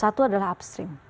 satu adalah upstream